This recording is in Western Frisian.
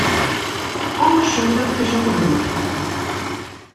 Alle sûker is op de grûn fallen.